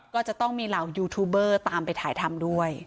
ก็จะต้องมีเหล่ายูทูบเบอร์ตามไปถ่ายทำด้วย